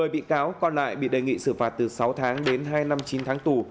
một mươi bị cáo còn lại bị đề nghị xử phạt từ sáu tháng đến hai năm chín tháng tù